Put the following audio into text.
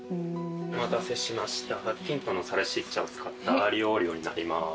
お待たせしました白金豚のサルシッチャを使ったアーリオオーリオになります。